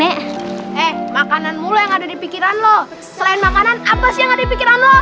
hehehe makanan mulu yang ada di pikiran lo selain makanan apa sih yang ada di pikiran lo